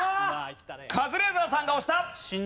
カズレーザーさんが押した！